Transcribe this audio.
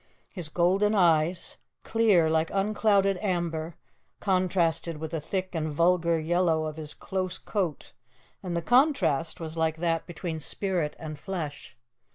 His golden eyes, clear, like unclouded amber, contrasted with the thick and vulgar yellow of his close coat, and the contrast was like that between spirit and flesh.